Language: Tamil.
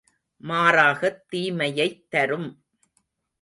மாறாகத் தீமையைத் தரும்.